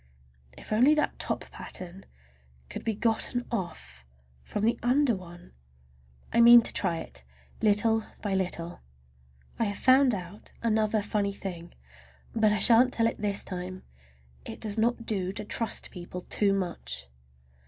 If only that top pattern could be gotten off from the under one! I mean to try it, little by little. I have found out another funny thing, but I shan't tell it this time! It does not do to trust people too much.